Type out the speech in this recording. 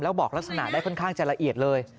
แล้วบอกลักษณะได้ค่อนข้างจะละเอียดเลย